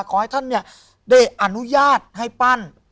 ขอให้ท่านได้อนุญาตให้ปั้น